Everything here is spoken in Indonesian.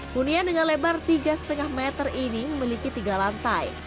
hunian dengan lebar tiga lima meter ini memiliki tiga lantai